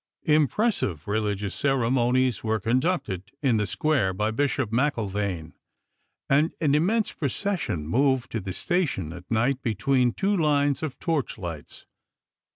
Impressive religious ceremonies were conducted in the square by Bishop Mcllvaine, and an immense procession moved to the station at night between two lines of torchlights.